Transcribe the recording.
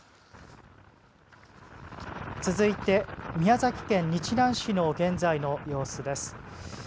続いて、宮崎県日南市の現在の様子です。